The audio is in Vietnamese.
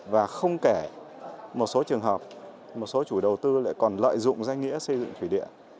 và không kể một số trường hợp một số chủ đầu tư lại còn lợi dụng danh nghĩa xây dựng thủy điện